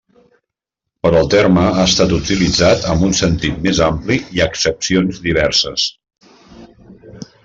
Però el terme ha estat utilitzat amb un sentit més ampli i accepcions diverses.